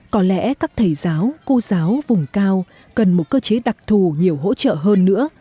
có lẽ các thầy giáo cô giáo vùng cao cần một cơ chế đặc thù nhiều hỗ trợ hơn nữa